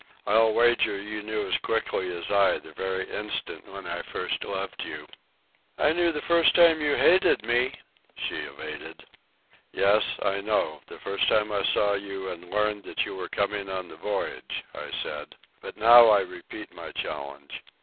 "I'll wager you knew as quickly as I the very instant when I first loved you." "I knew the first time you hated me," she evaded. "Yes, I know, the first time I saw you and learned that you were coming on the voyage," I said. "But now I repeat my challenge.